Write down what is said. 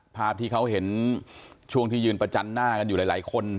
ภาพที่เขาเห็นช่วงที่ยืนประจันหน้ากันอยู่หลายคน